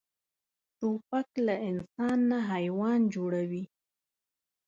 توپک له انسان نه حیوان جوړوي.